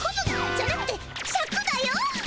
じゃなくてシャクだよ。